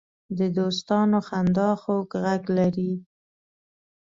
د دوستانو خندا خوږ غږ لري